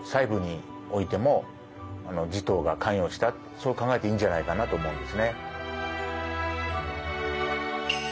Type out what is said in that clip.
そう考えていいんじゃないかなと思うんですね。